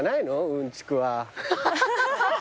うんちくは。